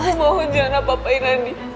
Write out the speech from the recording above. aku mohon jangan apa apain andi